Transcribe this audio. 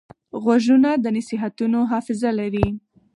غوږونه د نصیحتونو حافظه لري